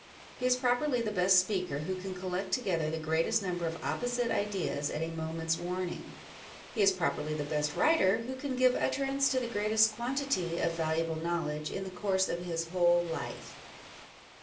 He is pro perly the best speaker who can collect together the greatest number of opposite ideas at a moment's warning : he is properly the best writer who can give utterance to the greatest quantity of valuable knowledge in the course of his whole life.